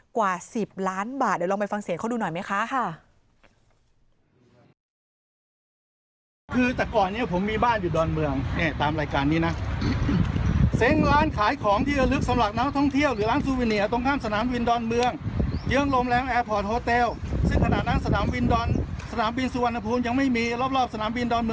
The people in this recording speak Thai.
กว่า๑๐ล้านบาทเดี๋ยวลองไปฟังเสียงเขาดูหน่อยไหมคะ